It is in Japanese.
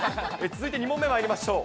続いて２問目まいりましょう。